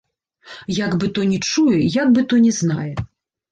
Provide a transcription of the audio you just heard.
Як бы то не чуе, як бы то не знае!